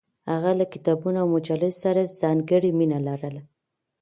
هغه له کتابونو او مجلو سره ځانګړې مینه لرله.